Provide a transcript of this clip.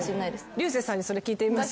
竜星さんにそれ聞いてみます？